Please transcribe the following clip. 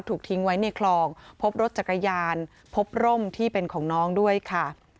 ถูกทิ้งไว้ในคลองพบรถจักรยานพบร่มที่เป็นของน้องด้วยค่ะ